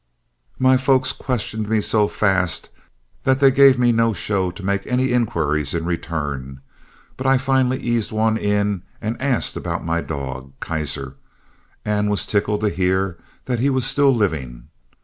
"My folks questioned me so fast that they gave me no show to make any inquiries in return, but I finally eased one in and asked about my dog Keiser, and was tickled to hear that he was still living.